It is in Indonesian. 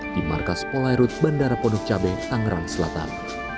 di markas polairut bandara pondok cabe tangerang selatan